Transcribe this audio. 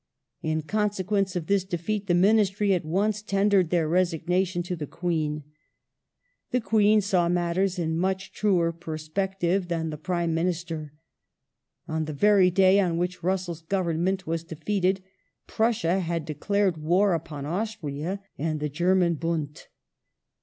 In consequence of this defeat the Ministry at once tendered their resignation to the Queen. The Queen saw mattei s in much truer perspective than the Prime Minister. On the very day on which Russell's Government was defeated, Prussia had declared war upon Austria and the German Bund.